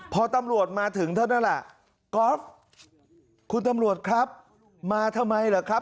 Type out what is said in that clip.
พอตำรวจมาถึงเท่านั้นแหละก๊อฟคุณตำรวจครับมาทำไมเหรอครับ